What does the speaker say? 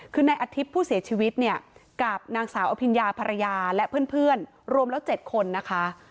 คือนายอาทิตย์ผู้เสียชีวิตเนี่ยกับนางสาวอภิญญาภรรยาและเพื่อนรวมแล้ว๗คนนะคะ